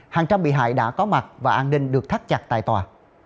hàng trăm bị hại đã có mặt và an ninh được thắt chặt tại tòa